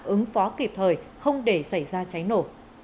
ứng phó kịp thời không để xảy ra cháy nổ